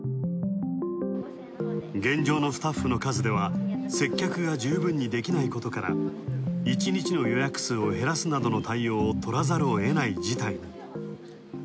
現状のスタッフの数では接客が十分にできないことから、１日の予約数を減らすなどの対応をとらざるをえない事態。